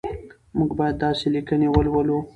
موږ باید داسې لیکنې ولولو.